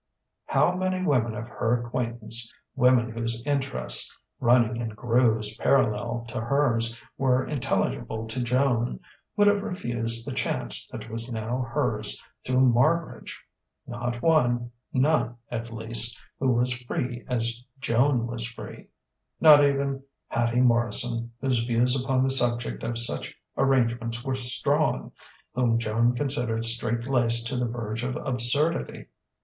How many women of her acquaintance women whose interests, running in grooves parallel to hers, were intelligible to Joan would have refused the chance that was now hers through Marbridge? Not one; none, at least, who was free as Joan was free; not even Hattie Morrison, whose views upon the subject of such arrangements were strong, whom Joan considered straitlaced to the verge of absurdity.